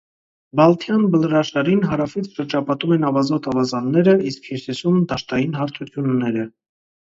Բալթյան բլրաշարին հարավից շրջապատում են ավազոտ ավազանները, իսկ հյուսիսում՝ դաշտային հարթությունները։